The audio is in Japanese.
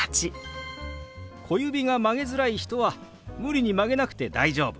小指が曲げづらい人は無理に曲げなくて大丈夫。